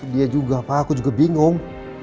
dia juga pak aku juga bingung